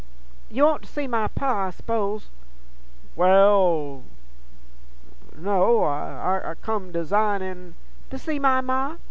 'You want to see my Pa, I s'pose?' 'Wal ... no ... I come dasignin' 'To see my Ma?